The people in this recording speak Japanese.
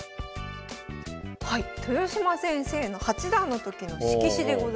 はい豊島先生の八段の時の色紙でございます。